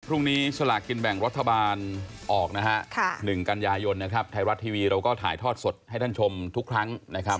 พรุ่งนี้ฉลากกินแบ่งรัฐบาลออก๑กันยายนไทยรัฐทีวีเราก็ถ่ายทอดสดให้ท่านชมทุกครั้ง